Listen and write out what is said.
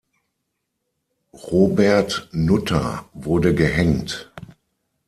Robert Nutter wurde gehängt.